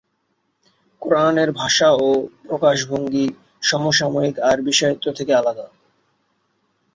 কুরআনের ভাষা ও প্রকাশভঙ্গি সমসাময়িক আরবি সাহিত্য থেকে আলাদা।